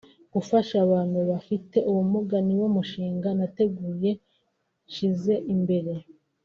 Gufasha abantu bafite ubumuga ni wo mushinga nateguye nshyize imbere